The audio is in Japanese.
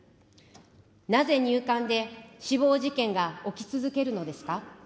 なぜ入管で死亡事件が起き続けるのですか。